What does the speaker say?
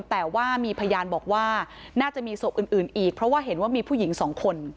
แต่ว่ามีพยานบอกว่าน่าจะมีศพอื่นอีกเพราะว่าเห็นว่ามีผู้หญิงสองคน